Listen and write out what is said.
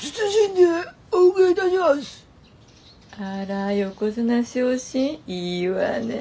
あら横綱昇進いいわねぇ。